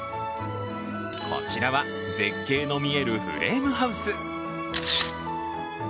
こちらは絶景の見えるフレームハウス。